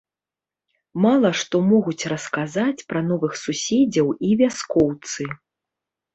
Мала што могуць расказаць пра новых суседзяў і вяскоўцы.